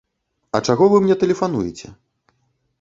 А чаго вы мне тэлефануеце?